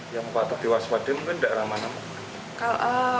yang patah diwaswade mungkin tidak ramah ramah